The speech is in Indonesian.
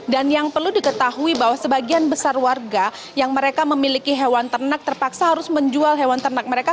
dan yang perlu diketahui bahwa sebagian besar warga yang mereka memiliki hewan ternak terpaksa harus menjual hewan ternak mereka